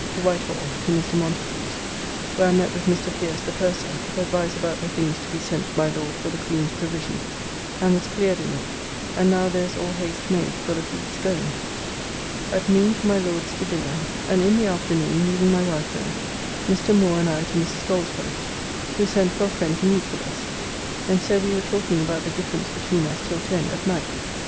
To White Hall, to Mr. Montagu's, where I met with Mr. Pierce, the purser, to advise about the things to be sent to my Lord for the Queen's provision, and was cleared in it, and now there is all haste made, for the fleet's going. At noon to my Lord's to dinner, and in the afternoon, leaving my wife there, Mr. Moore and I to Mrs. Goldsborough, who sent for a friend to meet with us, and so we were talking about the difference between us till 10 at night.